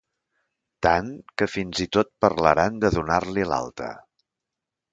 Tant que fins i tot parlaran de donar-li l'alta.